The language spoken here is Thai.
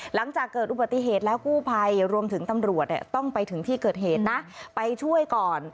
หลังจากเกิดอุบัติเหตุแล้วกู้ภัยรวมถึงตำรวจต้องไปถึงที่เกิดเหตุนะไปช่วยก่อน